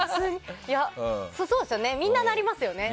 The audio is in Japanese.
みんななりますよね。